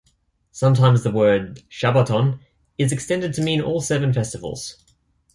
Sometimes the word "shabbaton" is extended to mean all seven festivals.